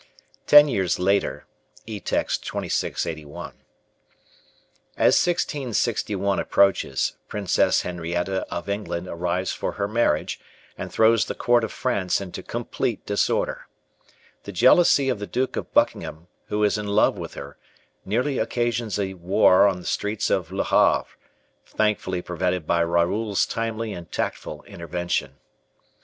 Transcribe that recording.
Ten Years Later (Etext 2681): As 1661 approaches, Princess Henrietta of England arrives for her marriage, and throws the court of France into complete disorder. The jealousy of the Duke of Buckingham, who is in love with her, nearly occasions a war on the streets of Le Havre, thankfully prevented by Raoul's timely and tactful intervention.